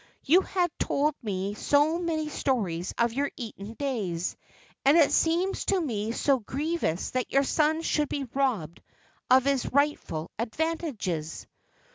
You had told me so many stories of your Eton days, and it seemed to me so grievous that your son should be robbed of his rightful advantages."